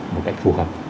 một cách phù hợp